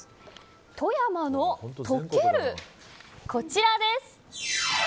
富山の溶ける、こちらです。